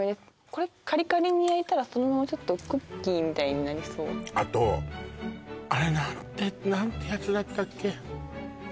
これカリカリに焼いたらそのままクッキーみたいになりそうあとあれ何てやつだったっけ？